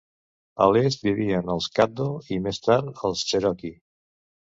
A l'est vivien els Caddo i més tard els Cherokee.